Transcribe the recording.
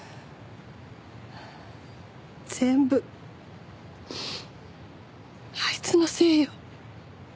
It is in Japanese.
全部あいつのせいよ。